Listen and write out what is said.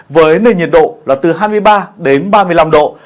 với nền nhiệt độ là từ hai mươi ba đến ba mươi năm độ